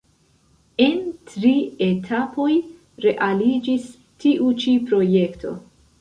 En tri etapoj realiĝis tiu ĉi projekto.